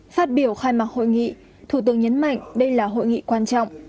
phát biểu khai mạc hội nghị thủ tướng nhấn mạnh đây là hội nghị quan trọng